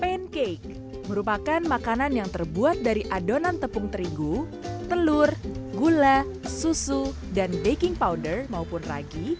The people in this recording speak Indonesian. pancake merupakan makanan yang terbuat dari adonan tepung terigu telur gula susu dan baking powder maupun ragi